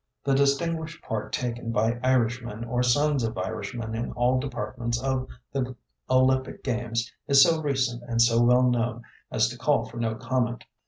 The distinguished part taken by Irishmen or sons of Irishmen in all departments of the Olympic games is so recent and so well known as to call for no comment.